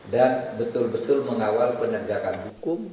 dan betul betul mengawal penegakan hukum